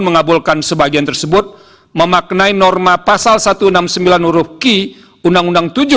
mengabulkan sebagian tersebut memaknai norma pasal satu ratus enam puluh sembilan uruq uu tujuh dua ribu tujuh belas